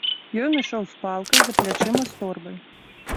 Ён ішоў з палкай, за плячыма з торбай.